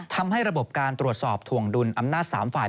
ทำให้ระบบการตรวจสอบถวงดุลอำนาจ๓ฝ่าย